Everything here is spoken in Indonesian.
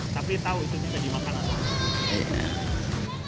tapi tau itu bisa dimakan atau belum